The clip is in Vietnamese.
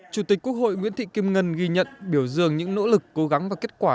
chủ tịch quốc hội nguyễn thị kim ngân ghi nhận biểu dương những nỗ lực cố gắng và kết quả